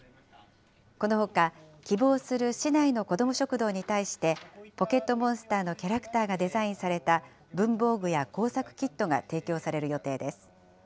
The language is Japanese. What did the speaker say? このほか、希望する市内のこども食堂に対してポケットモンスターのキャラクターがデザインされた文房具や工作キットが提供される予定です。